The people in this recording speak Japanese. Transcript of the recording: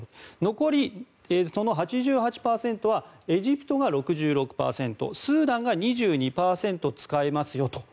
残りの８８％はエジプトが６６％スーダンが２２％使いますよと。